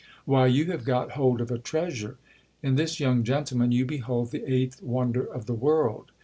Why, you have g6t hold of a treasure. In this young gentleman you behold the eighth wonder of the world.